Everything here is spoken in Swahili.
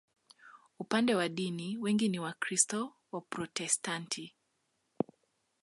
Upande wa dini, wengi ni Wakristo Waprotestanti.